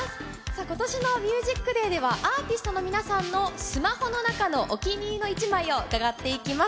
ことしのＴＨＥＭＵＳＩＣＤＡＹでは、アーティストの皆さんのスマホの中のお気に入りの一枚を伺っていきます。